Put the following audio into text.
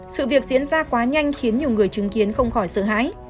sự việc diễn ra quá nhanh khiến nhiều người chứng kiến không khỏi sợ hãi